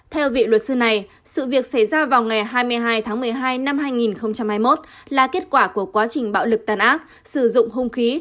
theo vị luật sư này sự việc xảy ra vào ngày hai mươi hai tháng một mươi hai năm hai nghìn hai mươi một là kết quả của quá trình bạo lực tàn ác sử dụng hung khí